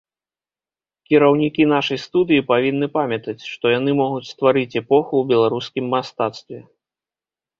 Кіраўнікі нашай студыі павінны памятаць, што яны могуць стварыць эпоху ў беларускім мастацтве.